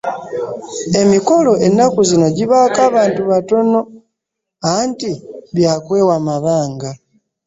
Emikolo ennaku zino gibaako abantu batono anti bya kwewa mabanga.